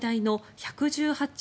１１８兆